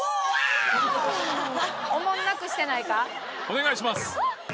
お願いします！